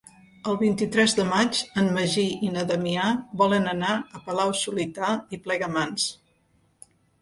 El vint-i-tres de maig en Magí i na Damià volen anar a Palau-solità i Plegamans.